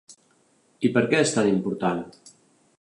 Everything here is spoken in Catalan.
I per què és tan important?